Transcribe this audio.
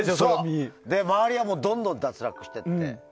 周りはどんどん脱落してって。